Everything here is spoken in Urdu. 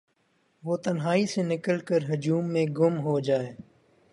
وہ تنہائی سے نکل کرہجوم میں گم ہوجائے